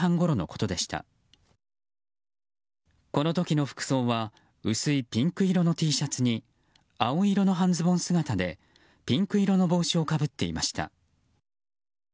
この時の服装は薄いピンク色のＴシャツに青色の半ズボン姿でピンク色の帽子をかぶっていました。